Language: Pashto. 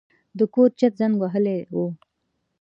د کور چت زنګ وهلی و.